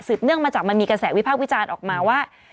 เนื่องมาจากมันมีกระแสวิพากษ์วิจารณ์ออกมาว่า